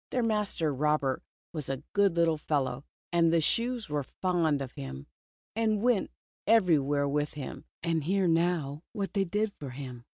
Their master Robert was a good Httle fellow, and the shoes were fond of him, and went everywhere with him, and hear now what they did for him.